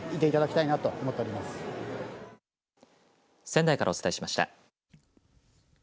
仙台からお伝えしました。